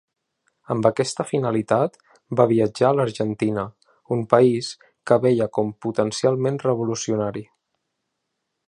Amb aquesta finalitat va viatjar a l'Argentina, un país que veia com potencialment revolucionari.